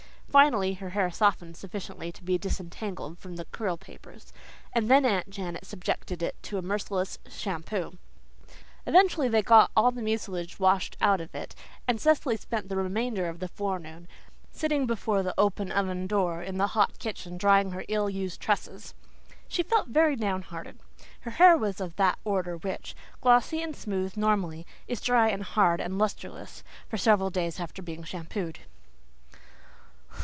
Finally her hair softened sufficiently to be disentangled from the curl papers; and then Aunt Janet subjected it to a merciless shampoo. Eventually they got all the mucilage washed out of it and Cecily spent the remainder of the forenoon sitting before the open oven door in the hot kitchen drying her ill used tresses. She felt very down hearted; her hair was of that order which, glossy and smooth normally, is dry and harsh and lustreless for several days after being shampooed.